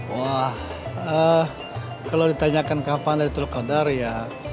wah kalau ditanyakan kapan laylatul qadar ya